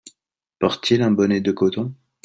Porte-t-il un bonnet de coton ?…